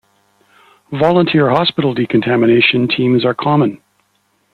Volunteer hospital decontamination teams are common.